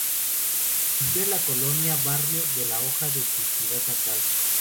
Vivió en la colonia Barrio de la Hoja de su ciudad natal.